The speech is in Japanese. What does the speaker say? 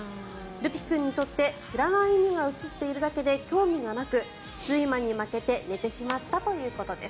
るぴ君にとって知らない犬が映っているだけで興味がなく睡魔に負けて寝てしまったということです。